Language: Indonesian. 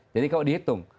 jadi kalau dihitung